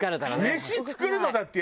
飯作るのだって